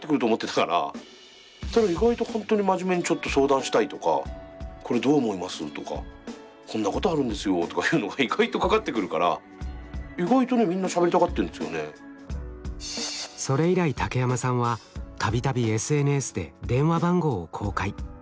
そしたら意外とほんとに真面目に「ちょっと相談したい」とか「これどう思います？」とか「こんなことあるんですよ」とかいうのが意外とかかってくるからそれ以来竹山さんはたびたびＳＮＳで電話番号を公開。